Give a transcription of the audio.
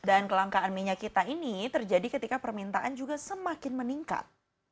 dan kelangkaan minyak kita ini terjadi ketika permintaan juga semakin meningkat